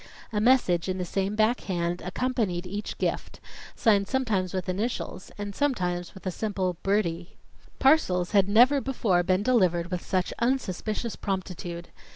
A message in the same back hand accompanied each gift, signed sometimes with initials, and sometimes with a simple "Bertie." Parcels had never before been delivered with such unsuspicious promptitude.